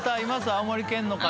青森県の方。